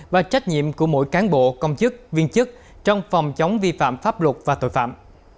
và trách nhiệm của mỗi cán bộ công chức viên chức trong phòng chống vi phạm pháp luật và tội phạm